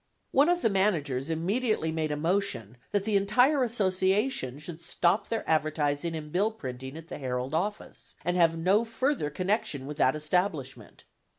One of the managers immediately made a motion that the entire association should stop their advertising and bill printing at the Herald office, and have no further connection with that establishment.